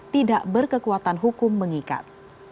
tidak berkekuatan hukum mengikat